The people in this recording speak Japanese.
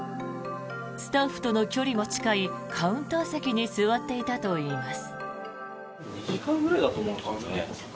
スタッフとの距離も近いカウンター席に座っていたといいます。